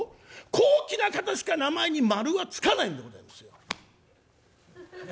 高貴な方しか名前に「丸」は付かないんでございますよ。